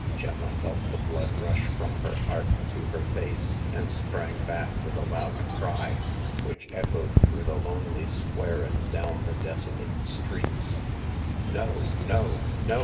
Gemma felt the blood rush from her heart to her face, and sprang back with a loud cry, which echoed through the lonely square and down the desolate streets. No, no, no